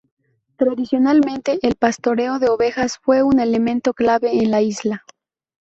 Tradicionalmente, el pastoreo de ovejas fue un elemento clave en la isla.